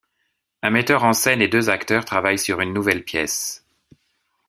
Un metteur en scène et deux acteurs travaillent sur une nouvelle pièce.